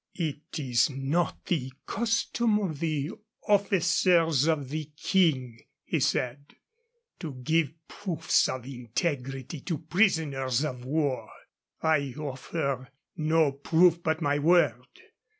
"It is not the custom of officers of the King," he said, "to give proofs of integrity to prisoners of war. I offer no proof but my word.